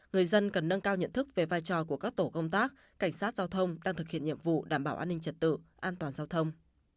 người dân cần nâng cao nhận thức về vai trò của các tổ công tác cảnh sát giao thông đang thực hiện nhiệm vụ đảm bảo an ninh trật tự an toàn giao thông